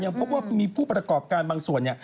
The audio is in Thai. พบว่ามีผู้ประกอบการบางส่วน